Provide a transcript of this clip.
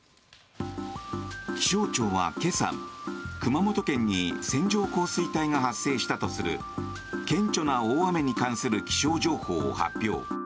気象庁は今朝、熊本県に線状降水帯が発生したとする顕著な大雨に関する気象情報を発表。